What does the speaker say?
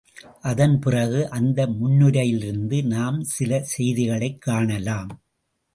அதன் பிறகு அந்த முன்னுரையிலிருந்து நாம் சில செய்திகளைக் காணலாம்.